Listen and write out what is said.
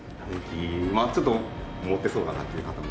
あちょっと持ってそうだなっていう方も。